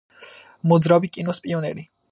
მოძრავი კინოს პიონერი.